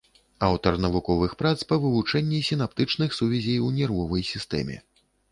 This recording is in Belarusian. Аўтар навуковых прац па вывучэнні сінаптычных сувязей у нервовай сістэме.